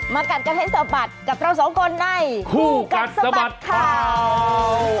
กัดกันให้สะบัดกับเราสองคนในคู่กัดสะบัดข่าว